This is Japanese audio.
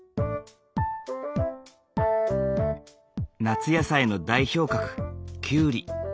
夏野菜の代表格キュウリ。